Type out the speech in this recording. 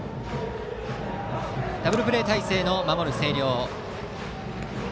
ダブルプレー態勢の、守る星稜。